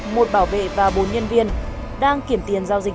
một bảo vệ và bốn nhân viên đang kiểm tiền giao dịch